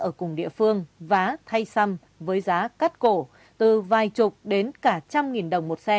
ở cùng địa phương vá thay xăm với giá cắt cổ từ vài chục đến cả trăm nghìn đồng một xe